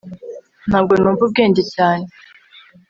ntabwo numva ubwenge cyane